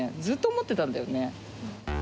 ずっと思ってたんだよね。